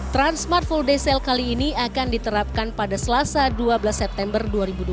transmart full day sale kali ini akan diterapkan pada selasa dua belas september dua ribu dua puluh